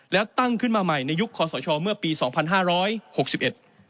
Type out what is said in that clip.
แล้วตั้งขึ้นมาใหม่ในยุคคอสชเมื่อปีสองพันห้าร้อยหกสิบเอ็ด